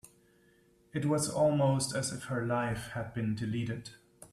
It was almost as if her life had been deleted.